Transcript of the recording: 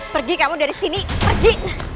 pergi kamu dari sini pergi